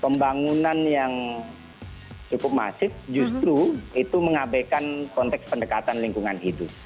pembangunan yang cukup masif justru itu mengabaikan konteks pendekatan lingkungan hidup